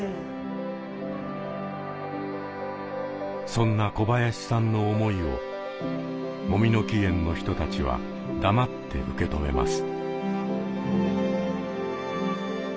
そんな小林さんの思いをもみの木苑の人たちは黙って受け止めます。